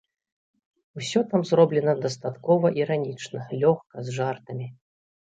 Усё там зроблена дастаткова іранічна, лёгка, з жартамі.